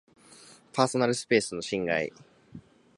パーソナルスペースの侵害